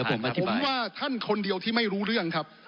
ผมว่าท่านคนเดียวที่ไม่รู้เรื่องครับ